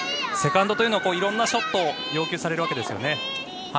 セカンドというのはいろんなショットを要求されるんですよね。